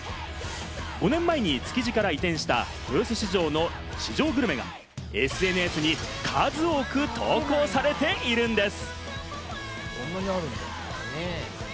５年前に築地から移転した豊洲市場の市場グルメがＳＮＳに数多く投稿されているんです。